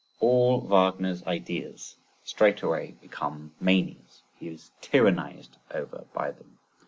All Wagner's ideas straightway become manias; he is tyrannised over by them.